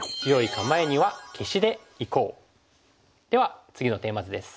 では次のテーマ図です。